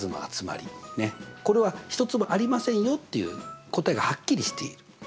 これは１つもありませんよっていう答えがはっきりしている。